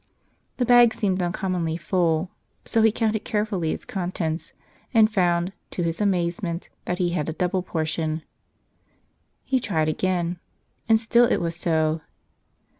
The bag seemed uncommonly full ; so he counted carefully its contents, and found, to his amazement, that he had a double portion. He tried again, and still it was so.